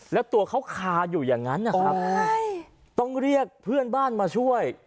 แล้วตัวเขาคาอยู่อย่างนั้นนะครับต้องเรียกเพื่อนบ้านมาช่วย